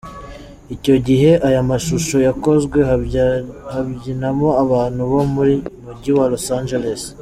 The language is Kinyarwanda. Icyo gihe, aya mashusho yakozwe habyinamo abantu bo mu mujyi wa Los Angeless.